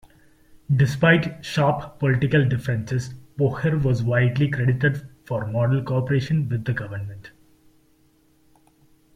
Despite sharp political differences, Poher was widely credited for model cooperation with the government.